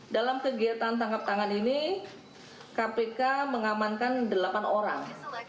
dalam kegiatan tangkap tangan ini kpk mengamankan delapan orang